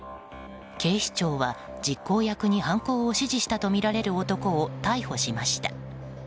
警視庁は実行役に犯行を指示したとみられる男を逮捕しました。